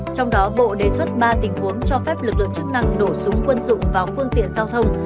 trong đó bộ đề xuất ba tình huống cho phép lực lượng chức năng nổ súng quân dụng vào phương tiện giao thông